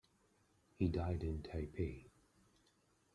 He died in Taipei.